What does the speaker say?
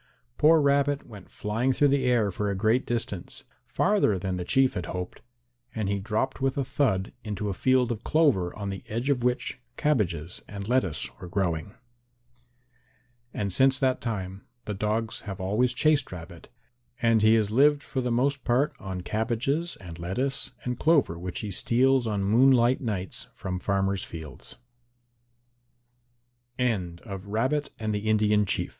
Poor Rabbit went flying through the air for a great distance, farther than the Chief had hoped, and he dropped with a thud into a field of clover on the edge of which cabbages and lettuce were growing. And since that time the dogs have always chased Rabbit and he has lived for the most part on cabbages and lettuce and clover which he steals on